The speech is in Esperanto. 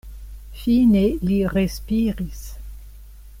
Fine li respiris.